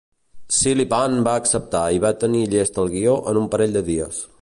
Silliphant va acceptar i va tenir llest el guió en un parell de dies.